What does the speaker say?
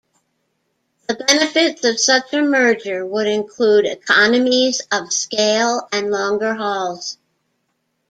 The benefits of such a merger would include economies of scale and longer hauls.